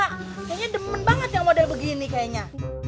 kayaknya demen banget yang model begini kayaknya